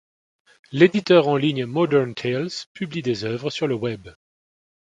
L'éditeur en ligne Modern tales publie des œuvres sur le web.